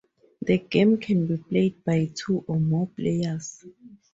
The game can be played by two or more players.